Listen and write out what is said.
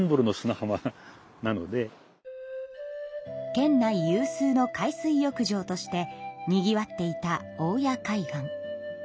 県内有数の海水浴場としてにぎわっていた大谷海岸。